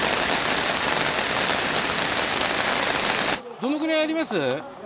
どのぐらいあります？